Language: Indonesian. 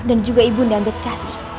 dan juga ibu nda ambedkasi